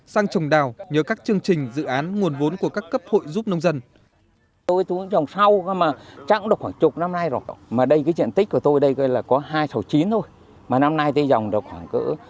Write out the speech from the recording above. sang trồng đào nhờ các chương trình dự án nguồn vốn của các cấp hội giúp nông dân